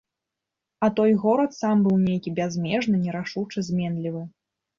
А той горад сам быў нейкі бязмежны, нерашучы, зменлівы.